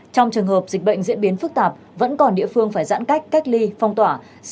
còn trường hợp diễn biến dịch phức tạp vẫn còn địa phương phải giãn cách cách ly phong tỏa